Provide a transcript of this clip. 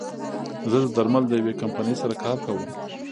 زه د درملو د يوې کمپنۍ سره کار کوم